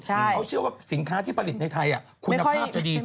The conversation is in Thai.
เขาเชื่อว่าสินค้าที่ผลิตในไทยคุณภาพจะดีสุด